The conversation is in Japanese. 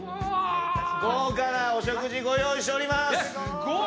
豪華なお食事ご用意しております。